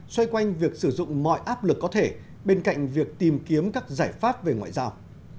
xoay quanh việc sử dụng mọi áp lực có thể bên cạnh việc tìm kiếm các giải pháp về ngoại giao